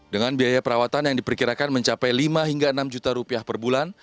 dengan biaya perawatan yang diperkirakan mencapai lima hingga enam juta rupiah per bulan